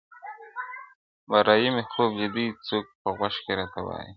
برايي مي خوب لیدلی څوک په غوږ کي راته وايي!.